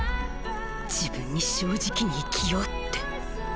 自分に正直に生きようって。